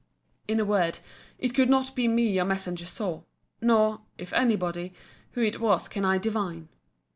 In a word, it could not be me your messenger saw; nor (if any body) who it was can I divine.